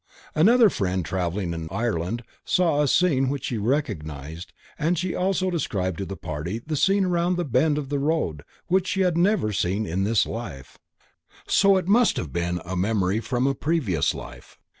Another friend travelling in Ireland saw a scene which she recognized and she also described to the party the scene around the bend of the road which she had never seen in this life, so it must have been a memory from a previous life.